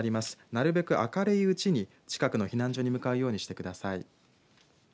なるべく明るいうちに近くの避難所に向かうようにしてください。